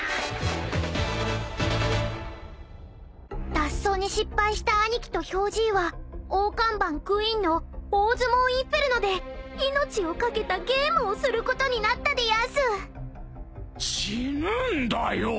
［脱走に失敗した兄貴とヒョウじいは大看板クイーンの大相撲地獄で命を懸けたゲームをすることになったでやんす］死ぬんだよ。